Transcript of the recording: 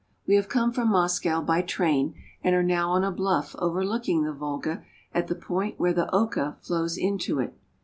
We have come from Moscow by train, and are now on a bluff overlooking the Volga, at the point where the Oka flows into it.